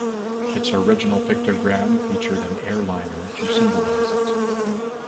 Its original pictogram featured an airliner to symbolize it.